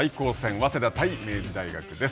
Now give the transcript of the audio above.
早稲田対明治大学です。